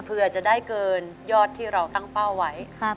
เพื่อจะได้เกินยอดที่เราตั้งเป้าไว้